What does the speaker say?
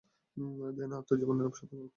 ধ্যানই অধ্যাত্মজীবনের সর্বাপেক্ষা অধিক সহায়ক।